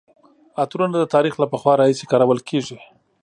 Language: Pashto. عطرونه د تاریخ له پخوا راهیسې کارول کیږي.